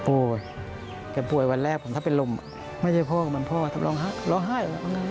แกป่วยวันแรกผมถ้าเป็นลมไม่ใช่พ่อเหมือนพ่อถ้าร้องไห้